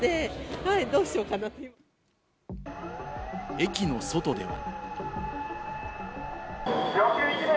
駅の外では。